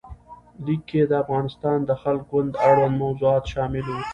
لیک کې د افغانستان د خلق ګوند اړوند موضوعات شامل وو.